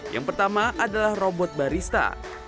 yang pertama adalah robot barista